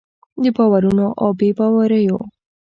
د باورونو او بې باوریو